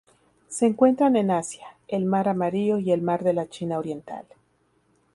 Se encuentran en Asia: el Mar Amarillo y el Mar de la China Oriental.